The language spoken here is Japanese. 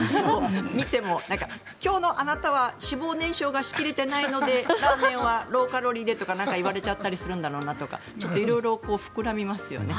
見ても今日のあなたは脂肪燃焼がし切れていないのでラーメンはローカロリーでとか言われちゃったりするんだろうなとかちょっと色々、膨らみますよね。